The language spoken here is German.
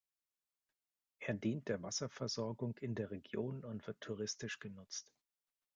Er dient der Wasserversorgung in der Region und wird touristisch genutzt.